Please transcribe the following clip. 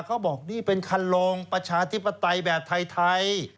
เขาบอกนี่เป็นคันลองประชาธิปไตยแบบไทย